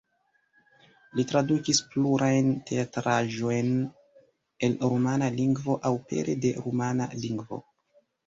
Li tradukis plurajn teatraĵojn el rumana lingvo aŭ pere de rumana lingvo.